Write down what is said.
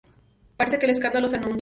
Parece que el escándalo se anuncia!